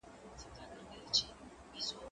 کېدای سي تمرين ستړي وي!.